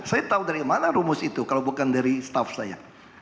saya tahu dari mana rumus itu kalau bukan dari staff saya